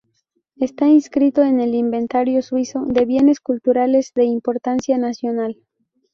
Está inscrito en el inventario suizo de bienes culturales de importancia nacional.